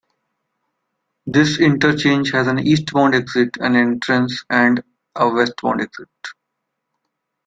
This interchange has an eastbound exit and entrance and a westbound exit.